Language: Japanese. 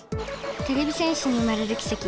てれび戦士に生まれるきせき